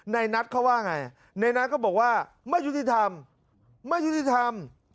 ในนัทเขาว่าไงในนัทเขาบอกว่าไม่ยุติธรรม